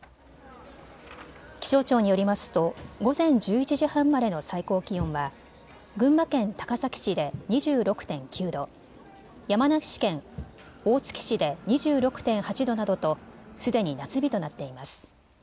気象庁によりますと午前１１時半までの最高気温は群馬県高崎市で２６．９度、山梨県大月市で２６．８度などとすでに夏日となっています。